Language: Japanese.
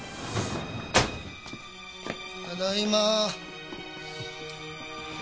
ただいま。